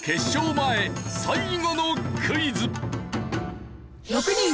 前最後のクイズ。